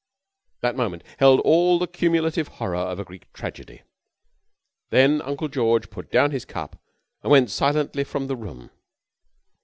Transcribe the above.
That moment held all the cumulative horror of a Greek tragedy. Then Uncle George put down his cup and went silently from the room.